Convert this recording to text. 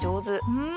うん！